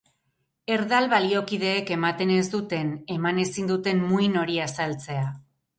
Erdal baliokideek ematen ez duten, eman ezin duten muin hori azaltzea.